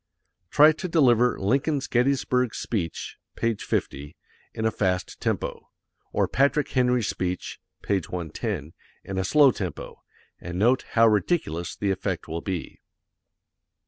Try to deliver Lincoln's Gettysburg speech (page 50), in a fast tempo, or Patrick Henry's speech (page 110), in a slow tempo, and note how ridiculous the effect will be.